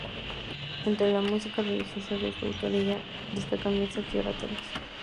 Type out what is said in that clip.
Entre la música religiosa de su autoría destacan misas y oratorios.